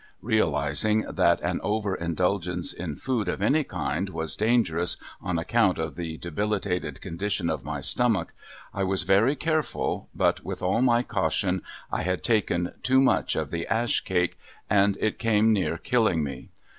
Realizing that an over indulgence in food of any kind was dangerous on account of the debilitated condition of my stomach, I was very careful, but with all my caution, I had taken too much of the ash cake, and it came near killing me.